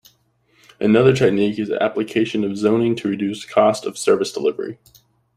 Another technique is application of zoning to reduce the cost of service delivery.